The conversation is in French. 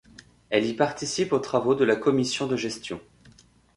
Elle y participe aux travaux de la commission de gestion.